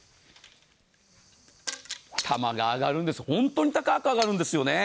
球が上がるんです、本当に高く上がるんですよね。